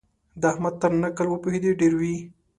د احمد تر نکل وپوهېدې ډېر وي.